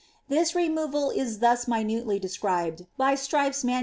This removal if thus minutely described by Strype's MS.